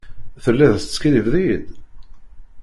Telliḍ teskiddibeḍ-iyi-d?